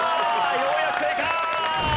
ようやく正解！